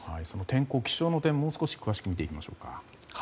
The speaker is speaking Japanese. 天候、気象の点をもう少し詳しく見ていきましょう。